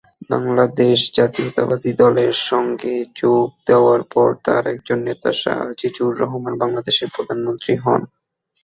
বাংলাদেশ জাতীয়তাবাদী দলের সঙ্গে যোগ দেওয়ার পর তার একজন নেতা শাহ আজিজুর রহমান বাংলাদেশের প্রধানমন্ত্রী হন।